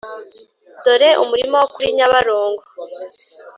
dore umurima wo kuri nyabarongo